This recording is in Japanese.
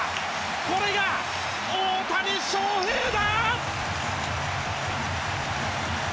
これが大谷翔平だ！